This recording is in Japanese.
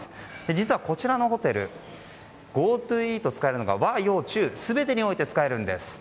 実は、こちらのホテルＧｏＴｏイート使えるのが和洋中全てにおいて使えるんです。